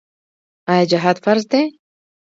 آیا جهاد فرض دی؟